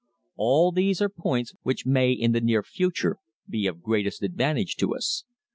All these are points which may in the near future be of greatest advantage to us.